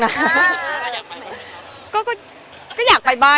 เนื้อหาดีกว่าน่ะเนื้อหาดีกว่าน่ะ